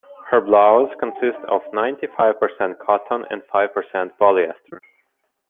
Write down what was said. Her blouse consists of ninety-five percent cotton and five percent polyester.